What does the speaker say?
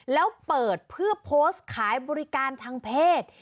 แล้วเปิดเพื่อโพสต์ขายบริการทางเพศ